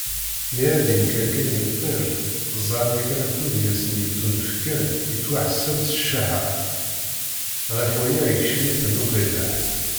Mi ara d-yenqer kan yiṭij, ẓran yakan akud i asen-yettunefken yettwaḥseb s cceḥḥa, ɣef waya, ikeccem-iten uqlileḥ.